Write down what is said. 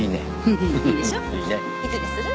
いつにする？